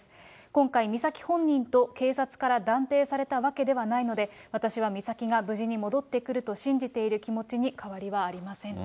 今回、美咲本人と警察から断定されたわけではないので、私は美咲が無事に戻ってくると信じている気持ちに変わりはありま